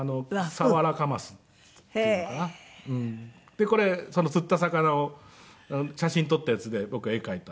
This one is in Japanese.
でこれ釣った魚を写真撮ったやつで僕が絵を描いた。